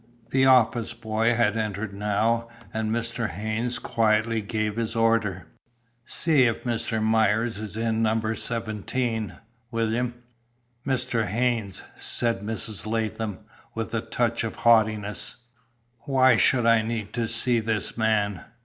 The office boy had entered now, and Mr. Haynes quietly gave his order. "See if Mr. Myers is in number seventeen, William." "Mr. Haynes," said Mrs. Latham, with a touch of haughtiness, "Why should I need to see this man?